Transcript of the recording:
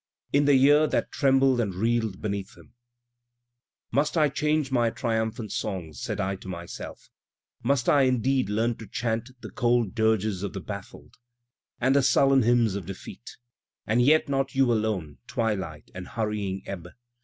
In the year that "trembled and reeled beneath him": Must I change my triumphant songs? said I to myself. Must I indeed learn to chant the cold dirges of the baffled? Digitized by Google WHITMAN 229 And the sullen h3mms of defeat? And yet not you alone, twilight and hurrying ebb.